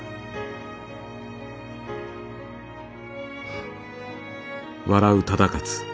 フッ。